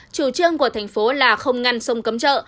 chủ trương của thành phố là không ngăn sông cấm chợ